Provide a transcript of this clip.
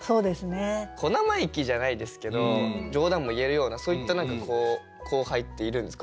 小生意気じゃないですけど冗談も言えるようなそういった何か後輩っているんですか？